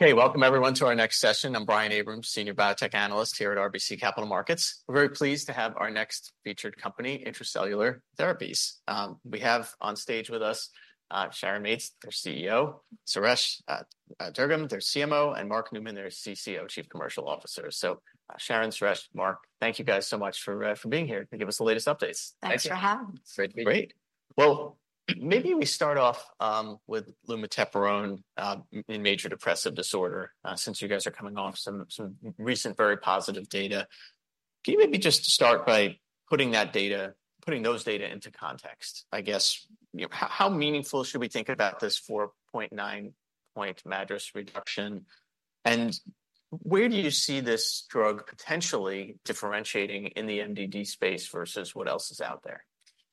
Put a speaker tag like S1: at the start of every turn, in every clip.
S1: Okay, welcome everyone to our next session. I'm Brian Abrahams, Senior Biotech Analyst here at RBC Capital Markets. We're very pleased to have our next featured company, Intra-Cellular Therapies. We have on stage with us, Sharon Mates, their CEO, Suresh Durgam, their CMO, and Mark Neumann, their CCO, Chief Commercial Officer. So Sharon, Suresh, Mark, thank you guys so much for for being here to give us the latest updates.
S2: Thanks for having us.
S3: Great to be here.
S1: Great! Well, maybe we start off with lumateperone in major depressive disorder since you guys are coming off some recent very positive data. Can you maybe just start by putting that data- putting those data into context? I guess, you know, how meaningful should we think about this 4.9-point MADRS reduction, and where do you see this drug potentially differentiating in the MDD space versus what else is out there?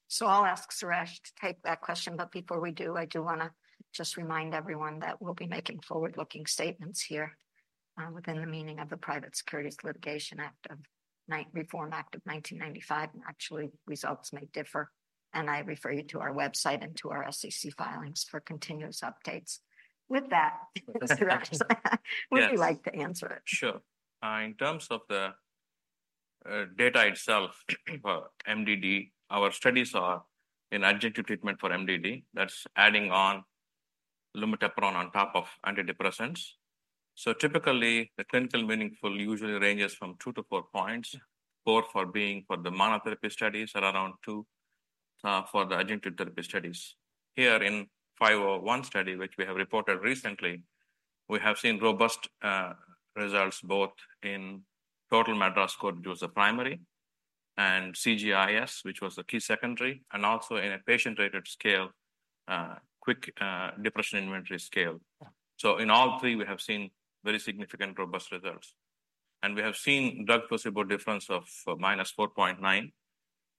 S2: So I'll ask Suresh to take that question, but before we do, I do wanna just remind everyone that we'll be making forward-looking statements here, within the meaning of the Private Securities Litigation Reform Act of 1995, and actually, results may differ. I refer you to our website and to our SEC filings for continuous updates. With that, Suresh, would you like to answer it?
S3: Sure. In terms of the data itself for MDD, our studies are an adjunctive treatment for MDD. That's adding on lumateperone on top of antidepressants. So typically, the clinical meaningful usually ranges from two to four points, four for being for the monotherapy studies and around two for the adjunctive therapy studies. Here in 501 study, which we have reported recently, we have seen robust results both in total MADRS score, which was a primary, and CGI-S, which was a key secondary, and also in a patient-rated scale, quick depression inventory scale. So in all three, we have seen very significant robust results. And we have seen drug placebo difference of -4.9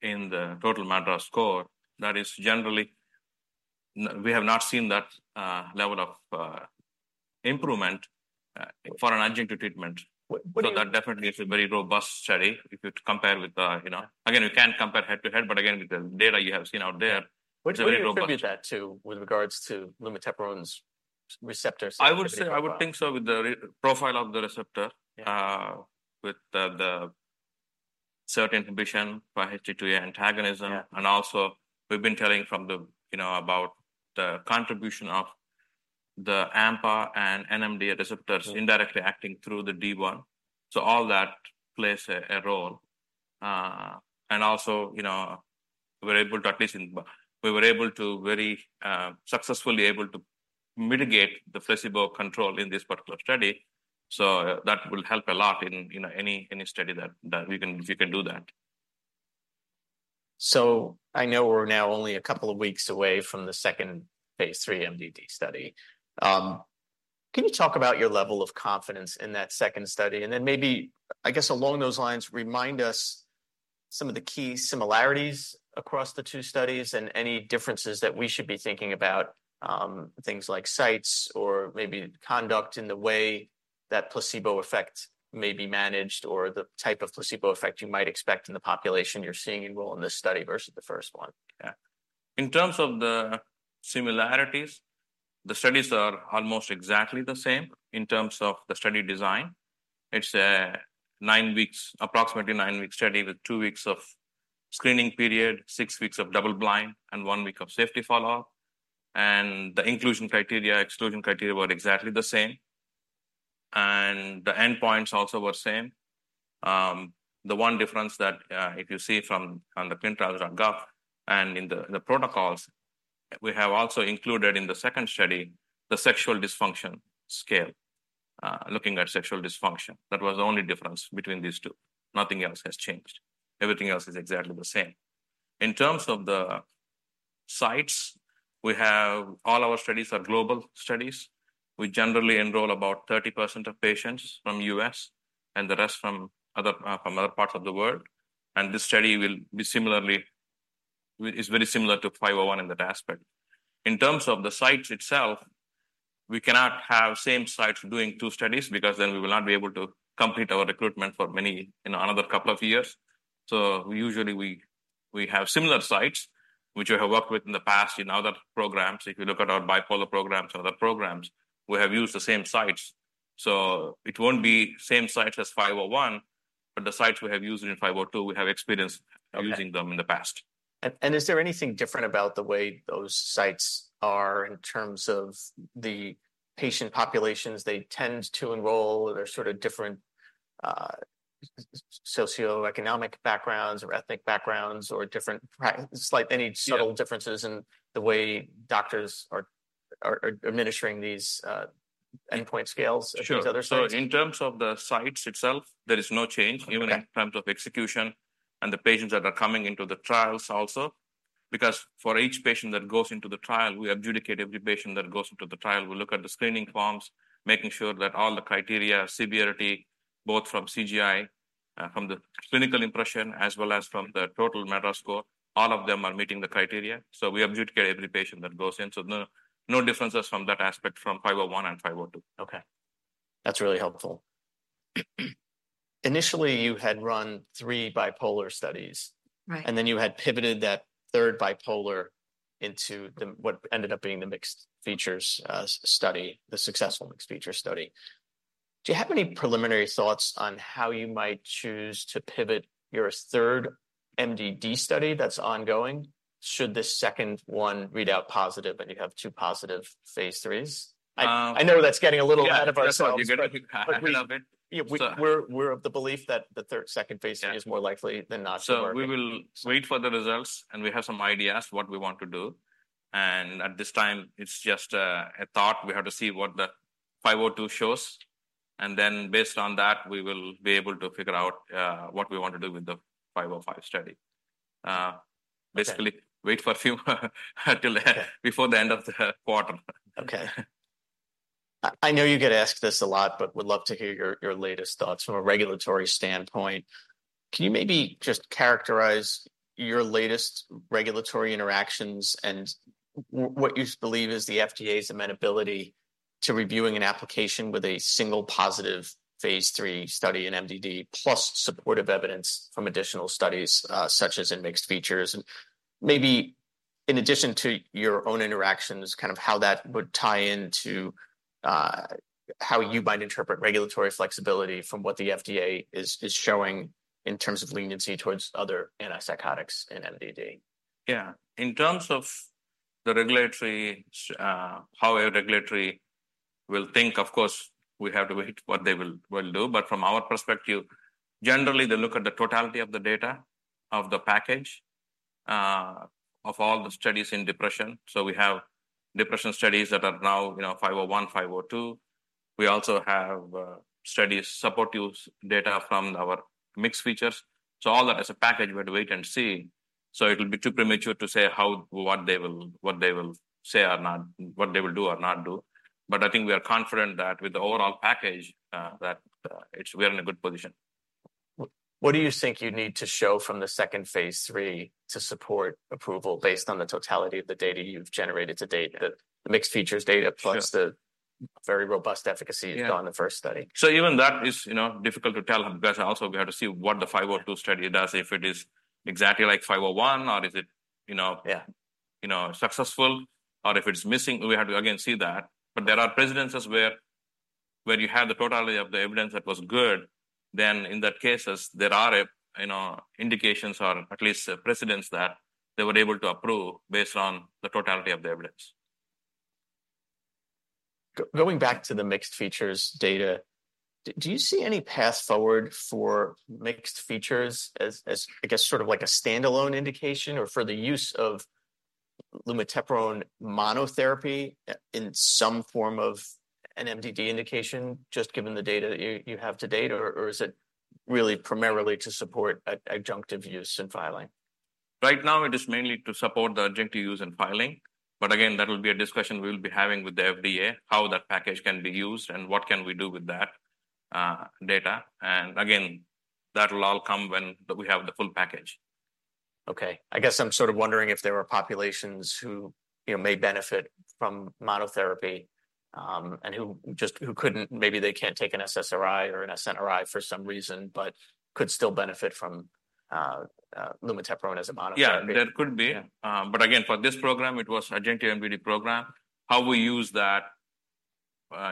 S3: in the total MADRS score. That is generally... we have not seen that level of improvement for an adjunctive treatment.
S1: What do you.
S3: So that definitely is a very robust study. If you compare with the, you know. Again, you can't compare head-to-head, but again, with the data you have seen out there, it's a very robust.
S1: What do you attribute that to, with regards to lumateperone's receptors?
S3: I would say I would think so with the receptor profile of the receptor with the certain inhibition by 5-HT2A antagonism.
S1: Yeah.
S3: Also, we've been telling from the, you know, about the contribution of the AMPA and NMDA receptors indirectly acting through the D1. So all that plays a role. And also, you know, we were able to very successfully able to mitigate the flexible control in this particular study, so that will help a lot in, you know, any study that we can if you can do that.
S1: So I know we're now only a couple of weeks away from the second phase III MDD study. Can you talk about your level of confidence in that second study? And then maybe, I guess, along those lines, remind us some of the key similarities across the two studies and any differences that we should be thinking about, things like sites or maybe conduct in the way that placebo effect may be managed, or the type of placebo effect you might expect in the population you're seeing enroll in this study versus the first one?
S3: Yeah. In terms of the similarities, the studies are almost exactly the same in terms of the study design. It's a nine weeks, approximately nine-week study, with two weeks of screening period, six weeks of double-blind, and one week of safety follow-up. The inclusion criteria, exclusion criteria, were exactly the same, and the endpoints also were same. The one difference that, if you see from on the clinical trial on Gov and in the, the protocols, we have also included in the second study the sexual dysfunction scale, looking at sexual dysfunction. That was the only difference between these two. Nothing else has changed. Everything else is exactly the same. In terms of the sites, we have all our studies are global studies. We generally enroll about 30% of patients from U.S. and the rest from other, from other parts of the world, and this study will be similarly... is very similar to 501 in that aspect. In terms of the sites itself, we cannot have same sites doing two studies because then we will not be able to complete our recruitment for many, you know, another couple of years. So usually we, we have similar sites which we have worked with in the past in other programs. If you look at our bipolar programs or other programs, we have used the same sites. So it won't be same sites as 501, but the sites we have used in 502, we have experience.
S1: Okay
S3: Of using them in the past.
S1: Is there anything different about the way those sites are in terms of the patient populations they tend to enroll? Are there sort of different socioeconomic backgrounds or ethnic backgrounds or different, right, slight, any subtle differences?
S3: Yeah
S1: In the way doctors are administering these endpoint scales at these other sites?
S3: Sure. So in terms of the sites itself, there is no change even in terms of execution and the patients that are coming into the trials also. Because for each patient that goes into the trial, we adjudicate every patient that goes into the trial. We look at the screening forms, making sure that all the criteria, severity, both from CGI, from the clinical impression, as well as from the total MADRS score, all of them are meeting the criteria, so we adjudicate every patient that goes in. So no, no differences from that aspect, from 501 and 502.
S1: Okay. That's really helpful.... Initially, you had run three bipolar studies.
S3: Right.
S1: And then you had pivoted that third bipolar into the, what ended up being the mixed features study, the successful mixed feature study. Do you have any preliminary thoughts on how you might choose to pivot your third MDD study that's ongoing, should the second one read out positive and you have two positive phase IIIs? I know that's getting a little ahead of ourselves.
S3: Yeah, that's what, you get ahead of it.
S1: Yeah, we're of the belief that the second phase III is more likely than not to work.
S3: We will wait for the results, and we have some ideas what we want to do. At this time, it's just a thought. We have to see what the 502 shows, and then based on that, we will be able to figure out what we want to do with the 505 study.
S1: Okay.
S3: Basically, wait for a few until before the end of the quarter.
S1: Okay. I know you get asked this a lot, but would love to hear your latest thoughts from a regulatory standpoint. Can you maybe just characterize your latest regulatory interactions and what you believe is the FDA's amenability to reviewing an application with a single positive phase three study in MDD, plus supportive evidence from additional studies, such as in mixed features? And maybe in addition to your own interactions, kind of how that would tie into how you might interpret regulatory flexibility from what the FDA is showing in terms of leniency towards other antipsychotics in MDD.
S3: Yeah. In terms of the regulatory, how a regulatory will think, of course, we have to wait what they will do. But from our perspective, generally, they look at the totality of the data, of the package, of all the studies in depression. So we have depression studies that are now, you know, 501, 502. We also have studies, supportive data from our mixed features. So all that as a package, we have to wait and see. So it will be too premature to say how, what they will say or not, what they will do or not do. But I think we are confident that with the overall package, that it's we are in a good position.
S1: What do you think you'd need to show from the second phase III to support approval based on the totality of the data you've generated to date?
S3: Yeah.
S1: The mixed features data plus the very robust efficacy you've got in the first study.
S3: So even that is, you know, difficult to tell, because also we have to see what the 502 study does. If it is exactly like 501 or is it, you know you know, successful, or if it's missing, we have to again see that. But there are precedents where you have the totality of the evidence that was good, then in that cases, there are, you know, indications or at least precedents that they were able to approve based on the totality of the evidence.
S1: Going back to the mixed features data, do you see any path forward for mixed features as, I guess, sort of like a standalone indication or for the use of lumateperone monotherapy in some form of an MDD indication, just given the data you have to date, or is it really primarily to support adjunctive use in filing?
S3: Right now, it is mainly to support the adjunctive use in filing, but again, that will be a discussion we'll be having with the FDA, how that package can be used and what can we do with that, data. And again, that will all come when we have the full package.
S1: Okay. I guess I'm sort of wondering if there were populations who, you know, may benefit from monotherapy, and who couldn't... Maybe they can't take an SSRI or an SNRI for some reason, but could still benefit from lumateperone as a monotherapy.
S3: Yeah, there could be.
S1: Yeah.
S3: But again, for this program, it was adjunctive MDD program. How we use that,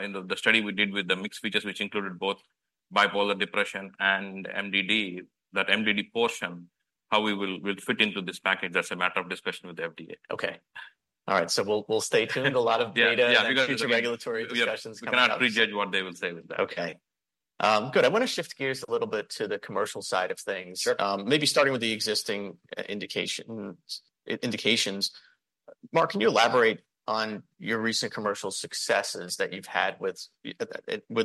S3: in the study we did with the mixed features, which included both bipolar depression and MDD, that MDD portion, how we will fit into this package, that's a matter of discussion with the FDA.
S1: Okay. All right, so we'll stay tuned. A lot of data and future regulatory discussions coming up.
S3: We cannot prejudge what they will say with that.
S1: Okay. Good. I want to shift gears a little bit to the commercial side of things.
S3: Sure.
S1: Maybe starting with the existing indications. Mark, can you elaborate on your recent commercial successes that you've had with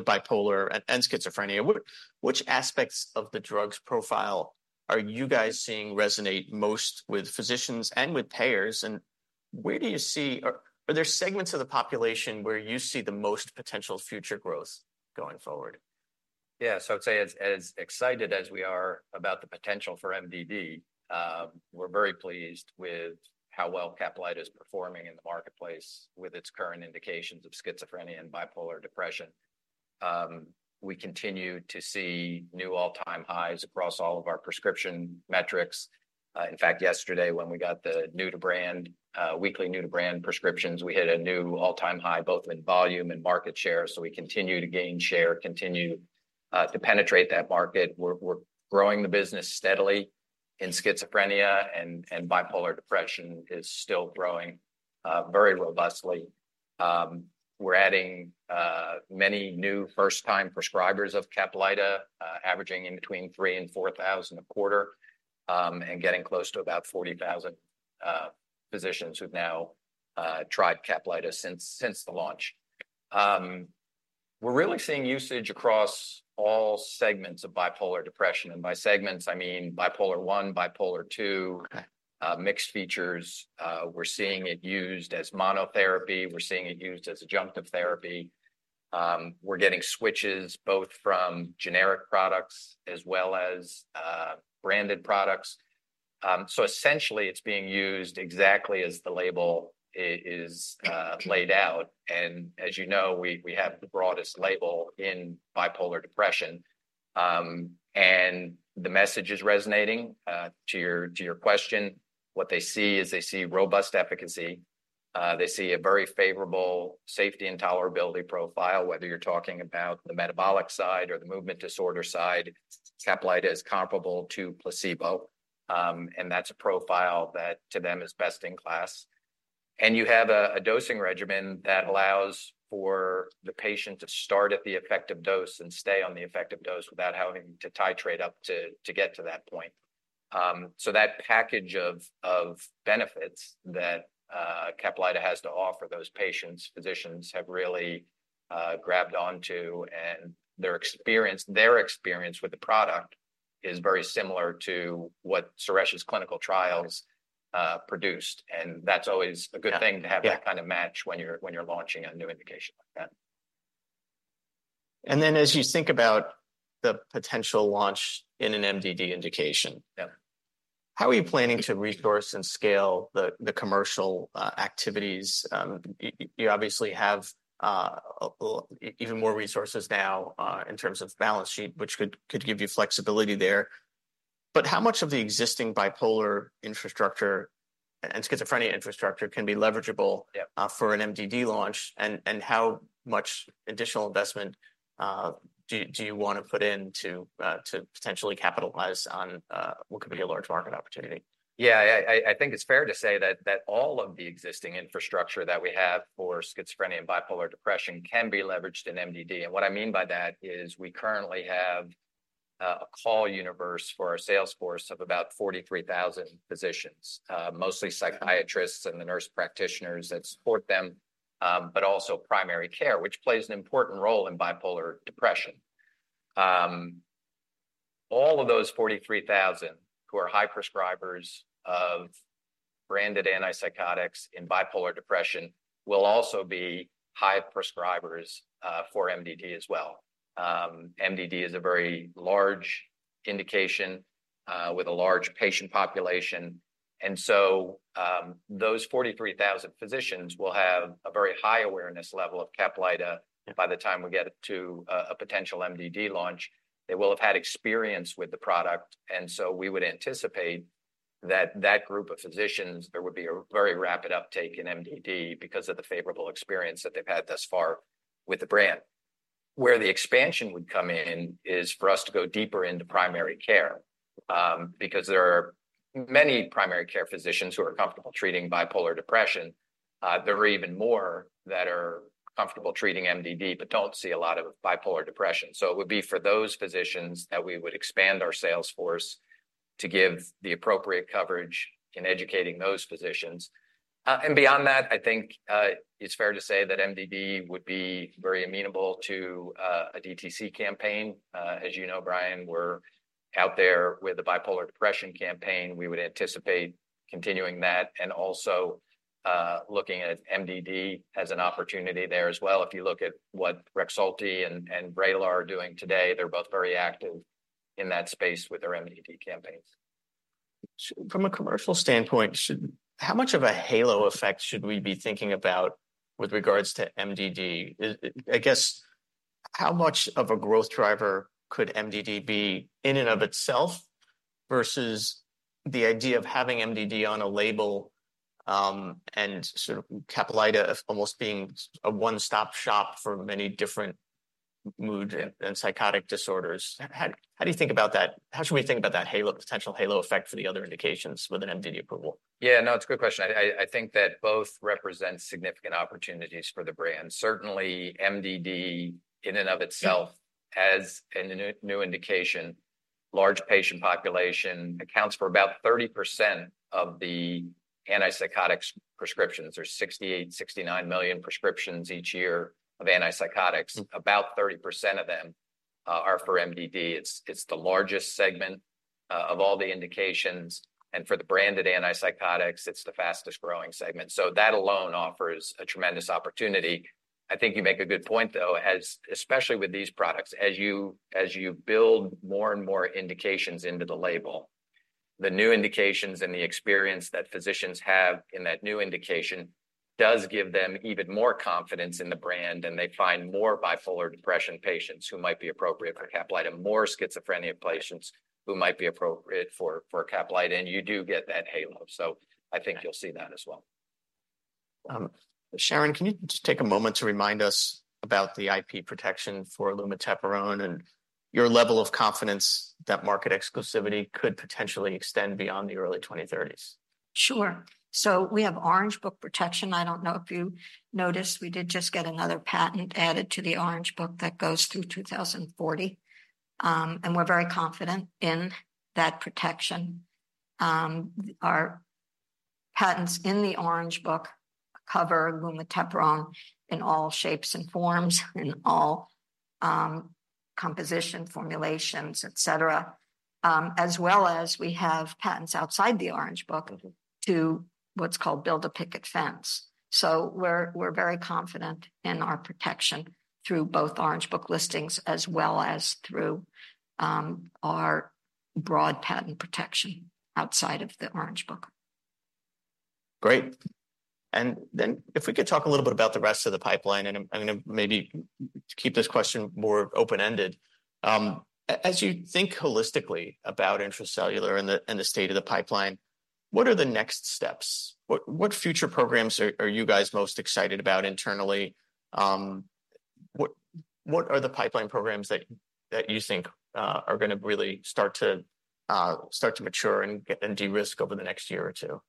S1: bipolar and schizophrenia? Which aspects of the drug's profile are you guys seeing resonate most with physicians and with payers, and where do you see or are there segments of the population where you see the most potential future growth going forward?
S4: Yeah. So I'd say as excited as we are about the potential for MDD, we're very pleased with how well CAPLYTA is performing in the marketplace with its current indications of schizophrenia and bipolar depression. We continue to see new all-time highs across all of our prescription metrics. In fact, yesterday, when we got the new-to-brand weekly new-to-brand prescriptions, we hit a new all-time high, both in volume and market share. So we continue to gain share, continue to penetrate that market. We're growing the business steadily, and schizophrenia and bipolar depression is still growing very robustly. We're adding many new first-time prescribers of CAPLYTA, averaging in between 3,000 and 4,000, and getting close to about 40,000 physicians who've now tried CAPLYTA since the launch. We're really seeing usage across all segments of bipolar depression, and by segments, I mean bipolar one, bipolar two mixed features. We're seeing it used as monotherapy. We're seeing it used as adjunctive therapy. We're getting switches, both from generic products as well as, branded products.... So essentially it's being used exactly as the label is laid out. And as you know, we have the broadest label in bipolar depression. And the message is resonating, to your question, what they see is they see robust efficacy, they see a very favorable safety and tolerability profile. Whether you're talking about the metabolic side or the movement disorder side, CAPLYTA is comparable to placebo, and that's a profile that, to them, is best in class. You have a dosing regimen that allows for the patient to start at the effective dose and stay on the effective dose without having to titrate up to get to that point. So that package of benefits that CAPLYTA has to offer those patients, physicians have really grabbed onto, and their experience, their experience with the product is very similar to what Suresh's clinical trials produced, and that's always a good thing to have that kind of match when you're launching a new indication like that.
S1: And then, as you think about the potential launch in an MDD indication how are you planning to resource and scale the commercial activities? You obviously have even more resources now in terms of balance sheet, which could give you flexibility there. But how much of the existing bipolar infrastructure and schizophrenia infrastructure can be leverageable for an MDD launch? And how much additional investment do you want to put in to to potentially capitalize on what could be a large market opportunity?
S4: Yeah, I think it's fair to say that all of the existing infrastructure that we have for schizophrenia and bipolar depression can be leveraged in MDD. And what I mean by that is we currently have a call universe for our sales force of about 43,000 physicians, mostly psychiatrists and the nurse practitioners that support them, but also primary care, which plays an important role in bipolar depression. All of those 43,000, who are high prescribers of branded antipsychotics in bipolar depression, will also be high prescribers, for MDD as well. MDD is a very large indication, with a large patient population, and so, those 43,000 physicians will have a very high awareness level of CAPLYTA by the time we get to a potential MDD launch. They will have had experience with the product, and so we would anticipate that that group of physicians, there would be a very rapid uptake in MDD because of the favorable experience that they've had thus far with the brand. Where the expansion would come in is for us to go deeper into primary care, because there are many primary care physicians who are comfortable treating bipolar depression. There are even more that are comfortable treating MDD, but don't see a lot of bipolar depression. So it would be for those physicians that we would expand our sales force to give the appropriate coverage in educating those physicians. And beyond that, I think it's fair to say that MDD would be very amenable to a DTC campaign. As you know, Brian, we're out there with a bipolar depression campaign. We would anticipate continuing that and also looking at MDD as an opportunity there as well. If you look at what Rexulti and Vraylar are doing today, they're both very active in that space with their MDD campaigns.
S1: From a commercial standpoint, how much of a halo effect should we be thinking about with regards to MDD? I, I guess, how much of a growth driver could MDD be in and of itself, versus the idea of having MDD on a label, and sort of CAPLYTA as almost being a one-stop shop for many different mood and, and psychotic disorders? How, how do you think about that? How should we think about that halo, potential halo effect for the other indications with an MDD approval?
S4: Yeah, no, it's a good question. I think that both represent significant opportunities for the brand. Certainly, MDD in and of itself as a new, new indication, large patient population, accounts for about 30% of the antipsychotics prescriptions. There's 68-69 million prescriptions each year of antipsychotics. About 30% of them are for MDD. It's the largest segment of all the indications, and for the branded antipsychotics, it's the fastest-growing segment, so that alone offers a tremendous opportunity. I think you make a good point, though, as especially with these products, as you build more and more indications into the label, the new indications and the experience that physicians have in that new indication does give them even more confidence in the brand, and they find more bipolar depression patients who might be appropriate for CAPLYTA, more schizophrenia patients who might be appropriate for CAPLYTA, and you do get that halo. So I think you'll see that as well.
S1: Sharon, can you just take a moment to remind us about the IP protection for lumateperone and your level of confidence that market exclusivity could potentially extend beyond the early 2030s?
S2: Sure. So we have Orange Book protection. I don't know if you noticed, we did just get another patent added to the Orange Book that goes through 2040. And we're very confident in that protection. Our patents in the Orange Book cover lumateperone in all shapes and forms, in all, composition, formulations, et cetera, as well as we have patents outside the Orange Book to what's called build a picket fence. So we're very confident in our protection through both Orange Book listings as well as through our broad patent protection outside of the Orange Book.
S1: Great! And then if we could talk a little bit about the rest of the pipeline, and I'm gonna maybe keep this question more open-ended. As you think holistically about Intra-Cellular and the state of the pipeline, what are the next steps? What future programs are you guys most excited about internally? What are the pipeline programs that you think are gonna really start to mature and get de-risked over the next year or two?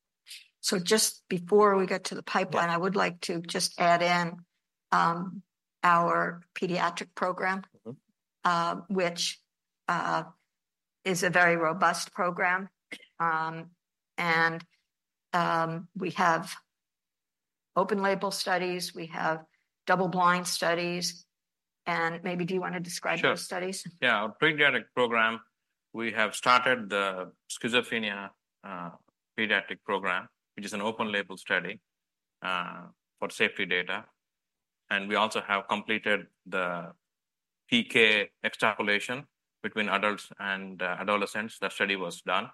S2: Just before we get to the pipeline I would like to just add in, our pediatric program which is a very robust program. And we have open label studies, we have double-blind studies, and maybe do you want to describe those studies?
S3: Sure. Yeah, our pediatric program, we have started the schizophrenia pediatric program, which is an open label study for safety data. And we also have completed the PK extrapolation between adults and adolescents. That study was done,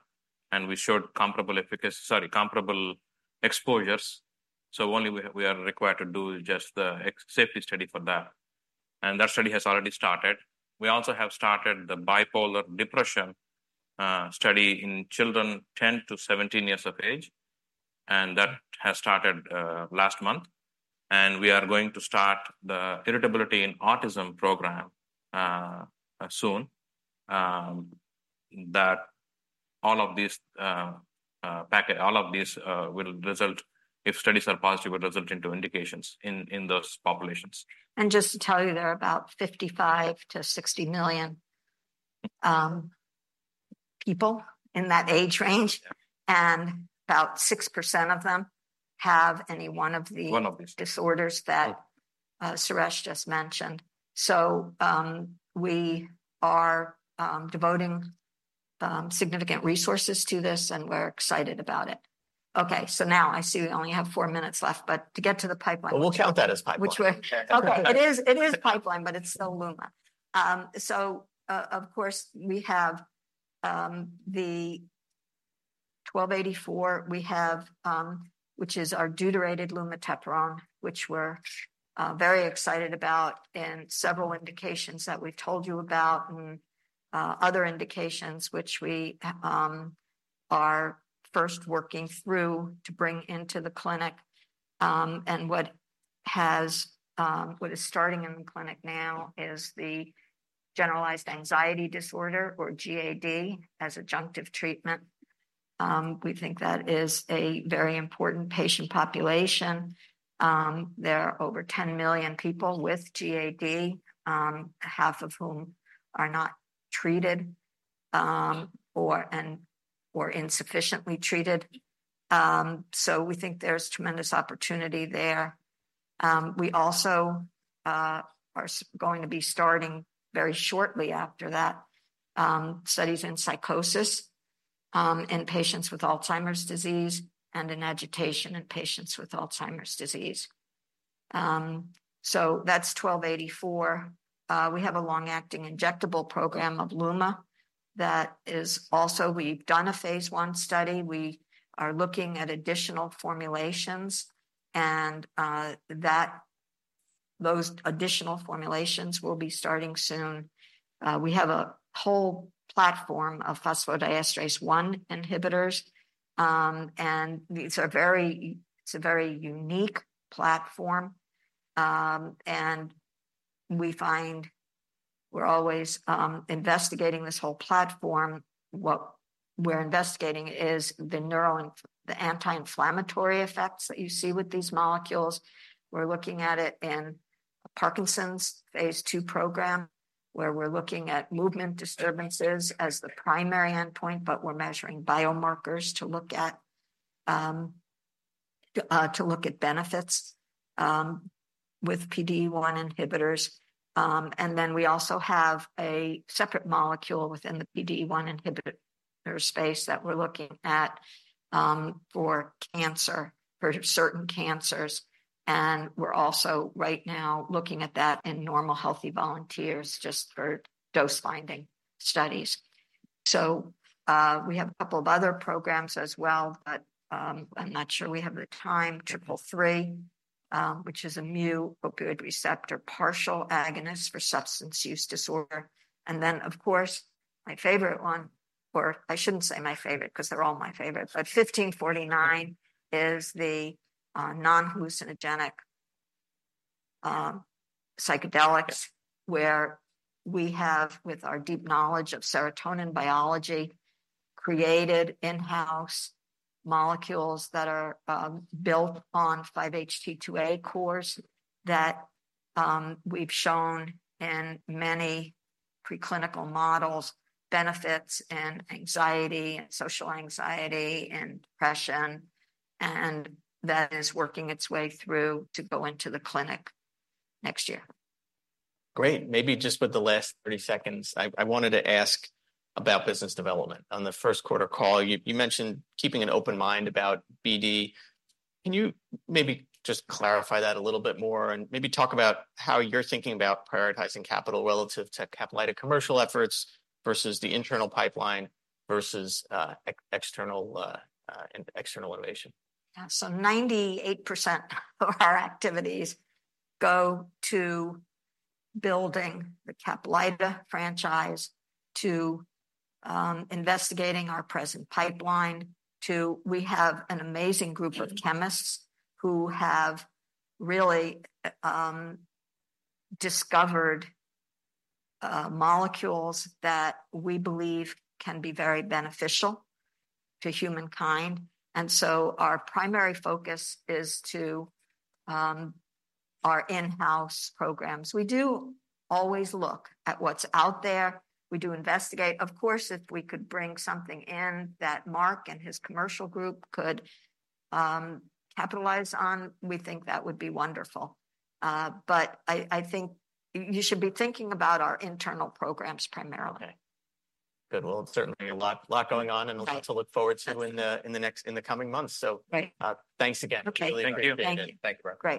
S3: and we showed comparable efficacy—sorry, comparable exposures, so only we, we are required to do just the safety study for that, and that study has already started. We also have started the bipolar depression study in children 10-17 years of age, and that has started last month. We are going to start the irritability in autism program soon. That all of these will result, if studies are positive, will result into indications in those populations.
S2: Just to tell you, there are about 55-60 million people in that age range and about 6% of them have any one of these. disorders that Suresh just mentioned. So, we are devoting significant resources to this, and we're excited about it. Okay, so now I see we only have four minutes left, but to get to the pipeline.
S1: Well, we'll count that as pipeline.
S2: Which way? Okay, it is, it is pipeline, but it's still LUMA. So, of course, we have the 1284, which is our deuterated lumateperone, which we're very excited about, and several indications that we've told you about, and other indications which we are first working through to bring into the clinic. And what is starting in the clinic now is the generalized anxiety disorder, or GAD, as adjunctive treatment. We think that is a very important patient population. There are over 10 million people with GAD, half of whom are not treated, or insufficiently treated. So we think there's tremendous opportunity there. We also are going to be starting very shortly after that, studies in psychosis in patients with Alzheimer's disease and in agitation in patients with Alzheimer's disease. So that's 1284. We have a long-acting injectable program of lumateperone that is also. We've done a phase one study. We are looking at additional formulations, and those additional formulations will be starting soon. We have a whole platform of phosphodiesterase one inhibitors, and these are very unique. It's a very unique platform. We find we're always investigating this whole platform. What we're investigating is the anti-inflammatory effects that you see with these molecules. We're looking at it in a Parkinson's phase II program, where we're looking at movement disturbances as the primary endpoint, but we're measuring biomarkers to look at, to look at benefits with PDE1 inhibitors. And then we also have a separate molecule within the PDE1 inhibitor space that we're looking at for cancer, for certain cancers, and we're also right now looking at that in normal, healthy volunteers, just for dose-finding studies. So, we have a couple of other programs as well, but I'm not sure we have the time. 333, which is a mu-opioid receptor partial agonist for substance use disorder. And then, of course, my favorite one, or I shouldn't say my favorite, 'cause they're all my favorite, but 1549 is the non-hallucinogenic psychedelics where we have, with our deep knowledge of serotonin biology, created in-house molecules that are, built on 5-HT2A cores that, we've shown in many preclinical models, benefits in anxiety, in social anxiety, in depression, and that is working its way through to go into the clinic next year.
S1: Great. Maybe just with the last 30 seconds, I wanted to ask about business development. On the first quarter call, you mentioned keeping an open mind about BD. Can you maybe just clarify that a little bit more, and maybe talk about how you're thinking about prioritizing capital relative to Caplyta commercial efforts versus the internal pipeline versus external innovation?
S2: Yeah. So 98% of our activities go to building the CAPLYTA franchise, to investigating our present pipeline, to... We have an amazing group of chemists who have really discovered molecules that we believe can be very beneficial to humankind, and so our primary focus is to our in-house programs. We do always look at what's out there. We do investigate. Of course, if we could bring something in that Mark and his commercial group could capitalize on, we think that would be wonderful. But I think you should be thinking about our internal programs primarily.
S1: Okay. Good. Well, certainly a lot, lot going on and a lot to look forward to in the coming months. S thanks again.
S2: Okay.
S1: Really appreciate it.
S3: Thank you.
S2: Thank you.
S1: Thank you very much.
S2: Great.